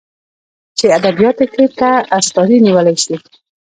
چې ادبياتو کې ته استادي نيولى شې.